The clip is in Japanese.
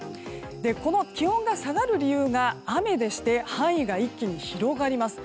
この気温が下がる理由が雨でして範囲が一気に広がります。